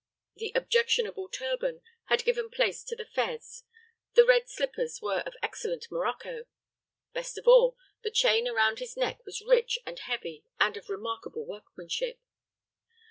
The objectionable turban had given place to the fez; the red slippers were of excellent morocco. Best of all, the chain around his neck was rich and heavy and of remarkable workmanship.